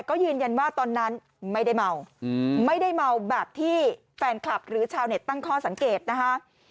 ก็ยืนยันว่าตอนนั้นไม่ได้เมาไม่ได้เมาแบบที่แฟนคลับหรือชาวเน็ตตั้งข้อสังเกตนะคะ